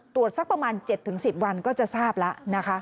สักประมาณ๗๑๐วันก็จะทราบแล้วนะคะ